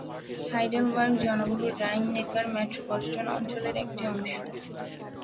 Heidelberg জনবহুল রাইন-নেকার metropolitan অঞ্চল এর একটি অংশ।